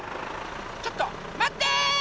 ちょっとまって！